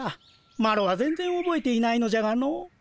マロは全然おぼえていないのじゃがのう。